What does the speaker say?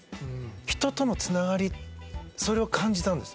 人との繋がりそれを感じたんです。